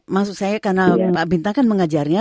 maksud saya karena pak binta kan mengajarnya